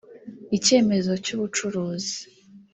icyemezo cy’ubucuruzi